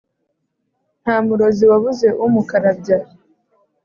Nta murozi wabuze umukarabya.